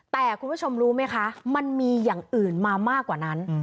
แต่คุณผู้ชมรู้ไหมคะมันมีอย่างอื่นมามากกว่านั้น